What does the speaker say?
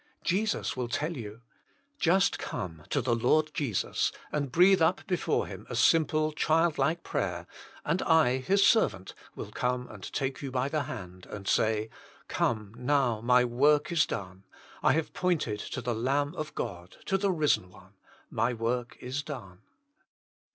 Jesus will tell you. Just come to the Lord Jesus and breathe up before Him a simple child like prayer, and I, His servant, will come and take you by the hand and say: <* Come, now,, my work is done. I have pointed to JtBVA Himself, 37 the Lamb of God, to the risen One. My work is done.